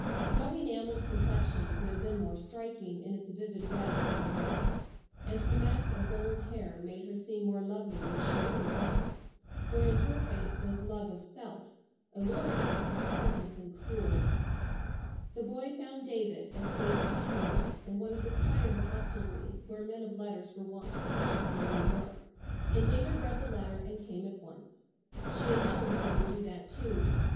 No enameled complexion could have been more striking in its vivid reds and whites, and her mass of gold hair made her seem more lovely than she really was, for in her face was love of self, alluring, but heartless and cruel. The boy found David, as Kate had thought he would, in one of the quieter hostelries where men of letters were wont to stop when in New York, and David read the letter and came at once. She had known that he would do that, too.